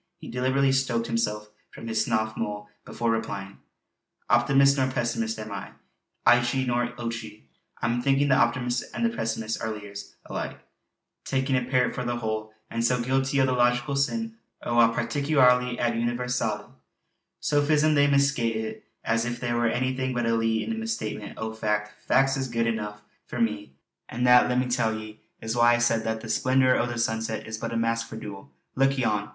He deliberately stoked himself from his snuff mull before replying: "Optimist nor pessimist am I, eechie nor ochie. I'm thinkin' the optimist and the pessimist are lears alike; takin' a pairt for the whole, an' so guilty o' the logical sin o' a particulari ad universale. Sophism they misca' it; as if there were anything but a lee in a misstatement o' fac'. Fac's is good eneuch for me; an' that, let me tell ye, is why I said that the splendour o' the sunset is but a mask for dool. Look yon!